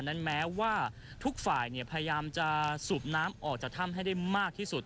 แม้ว่าทุกฝ่ายพยายามจะสูบน้ำออกจากถ้ำให้ได้มากที่สุด